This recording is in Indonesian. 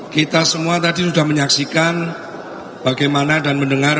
kita semua tadi sudah menyaksikan bagaimana dan mendengar